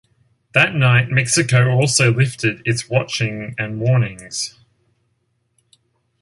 That night, Mexico also lifted its watching and warnings.